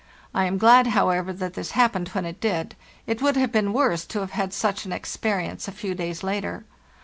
I am glad, however, that this happened when it did; it would have been worse to have had such an experience a few days later.